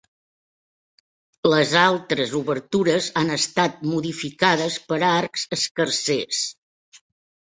Les altres obertures han estat modificades per arcs escarsers.